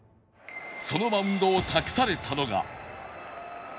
そのマウンドを託されたのが上原